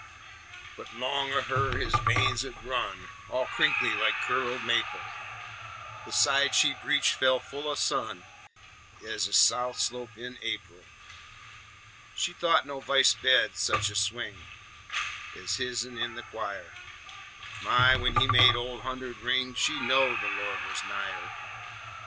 But long o' her his veins 'ould run All crinkly like curled maple; The side she breshed felt full o' sun Ez a south slope in Ap'il. She thought no v'ice bed sech a swing Ez hisn in the choir; My! when he made Ole Hundred ring, She knowed the Lord was nigher.